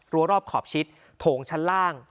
รอบขอบชิดโถงชั้นล่าง